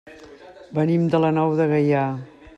Venim de la Nou de Gaià.